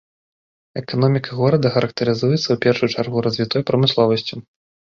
Эканоміка горада характарызуецца, у першую чаргу, развітой прамысловасцю.